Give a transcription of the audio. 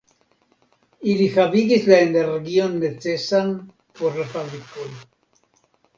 Ili havigis la energion necesan por la fabrikoj.